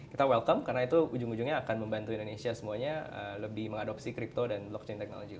kita welcome karena itu ujung ujungnya akan membantu indonesia semuanya lebih mengadopsi crypto dan blockchain technology